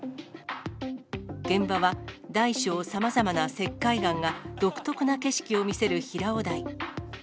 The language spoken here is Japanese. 現場は大小さまざまな石灰岩が独特な景色を見せる平尾台。